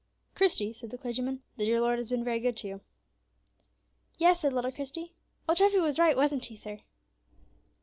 "Christie," said the clergyman, "the dear Lord has been very good to you." "Yes," said little Christie, "old Treffy was right; wasn't he, sir?"